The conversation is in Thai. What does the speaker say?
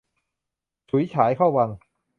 ฉุยฉายเข้าวัง